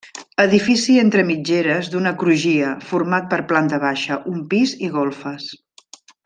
Edifici entre mitgeres d'una crugia, format per planta baixa, un pis i golfes.